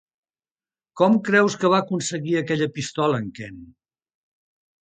Com creus que va aconseguir aquella pistola en Ken?